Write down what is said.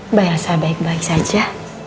mbak elsa baik baik saja